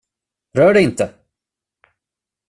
Rör det inte!